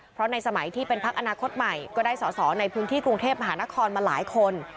เพราะในสมัยที่เป็นพักอนาคตใหม่ก็ได้สอสอในพื้นที่กรุงเทพมหานครมาหลายคน